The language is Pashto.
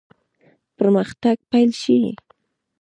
پرمختګ پیل شي.